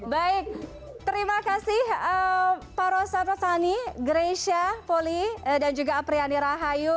baik terima kasih pak rosa fatani greysia poli dan juga apriani rahayu